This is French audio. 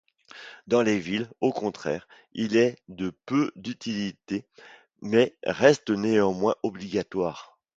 Dans les villes, au contraire, il est de peu d'utilité mais reste néanmoins obligatoire.